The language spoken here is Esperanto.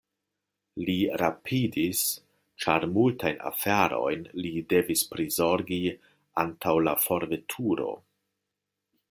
Li rapidis, ĉar multajn aferojn li devis prizorgi antaŭ la forveturo.